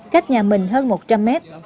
cách nhà mình hơn một trăm linh mét